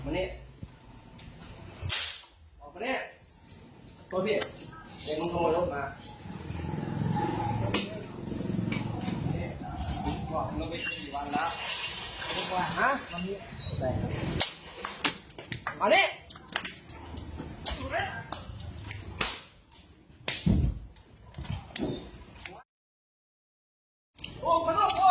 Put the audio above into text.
นี่คือเหตุการณ์สุดเร็จ